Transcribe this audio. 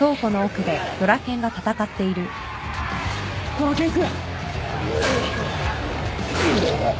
ドラケン君！